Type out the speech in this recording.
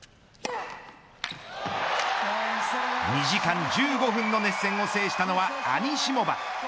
２時間１５分の熱戦を制したのはアニシモバ。